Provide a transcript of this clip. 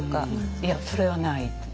いやそれはない。